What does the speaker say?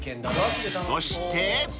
［そして］